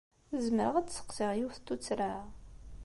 Zemreɣ ad d-sseqsiɣ yiwet n tuttra?